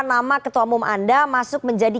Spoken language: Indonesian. nama ketua umum anda masuk menjadi